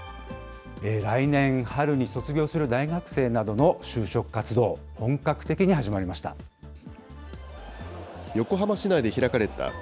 来年春に卒業する大学生などの就職活動、本格的に始まりました。